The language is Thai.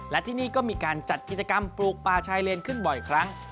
และที่นี่ก็มีการจัดกิจกรรมปลูกป่าชายเลนขึ้นบ่อยครั้ง